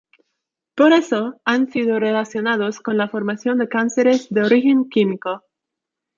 Por eso, han sido relacionados con la formación de cánceres de origen químico.